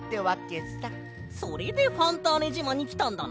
それでファンターネじまにきたんだな。